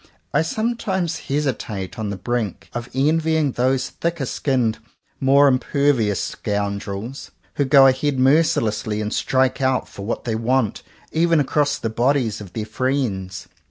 I sometimes hesitate on the brink of envying those thicker skinned, more impervious scoun drels, who go ahead mercilessly, and strike out for what they want even across the bodies of their friends.